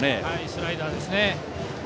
スライダーですね。